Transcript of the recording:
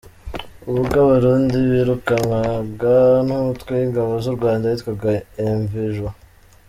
Ubwo Abarundi birukanwaga n’umutwe w’ingabo z’u Rwanda witwaga Imvejuru.